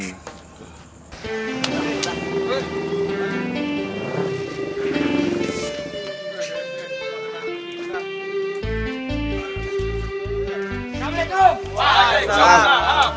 assalamu'alaikum wa'alaikum salam